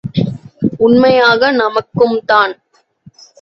உண்மையாக நமக்கும் தான்!